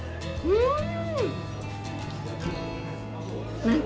うん！